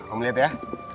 om liat ya